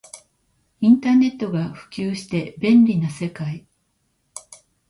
インターネットが普及して便利な世界